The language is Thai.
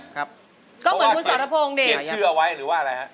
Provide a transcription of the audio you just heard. ก็เหมือนคุณสรพงค์เนี่ยเห็นว่าวัยหรือว่าอะไรฮะ